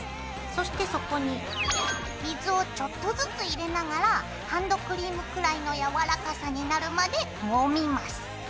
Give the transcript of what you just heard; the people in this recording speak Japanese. そしてそこに水をちょっとずつ入れながらハンドクリームくらいの柔らかさになるまでもみます。